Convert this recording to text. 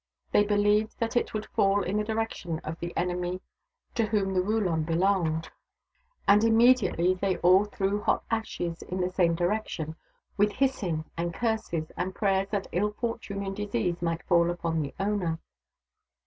They believed that it would fall in the direction of the enemy to whom the wuulon belonged, and immediately they all THE DAUGHTERS OF WONKAWALA 163 threw hot ashes in the same direction, with hissing and curses, and prayers that ill fortune and disease might fall upon the owner.